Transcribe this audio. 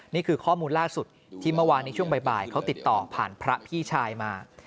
นี่คือข้อมูลล่าสุดที่เมื่อวานในช่วงบ่ายเขาติดต่อผ่านพระพี่ชายมา